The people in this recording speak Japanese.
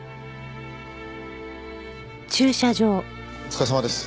お疲れさまです。